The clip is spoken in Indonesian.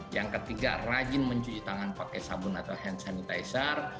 yang ketiga rajin mencuci tangan pakai sabun atau hand sanitizer